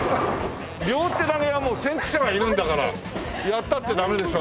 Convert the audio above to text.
両手投げはもう先駆者がいるんだからやったってダメでしょ。